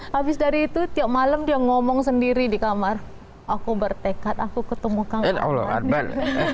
habis dari itu tiap malam dia ngomong sendiri di kamar aku bertekad aku ketemu kang